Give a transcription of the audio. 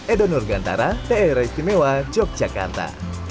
edo nurgantara daerah istimewa yogyakarta